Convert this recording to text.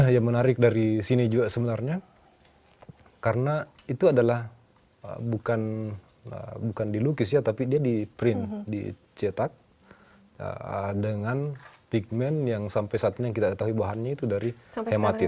yang menarik dari sini juga sebenarnya karena itu adalah bukan dilukis ya tapi dia di print dicetak dengan pigment yang sampai saat ini yang kita ketahui bahannya itu dari hematin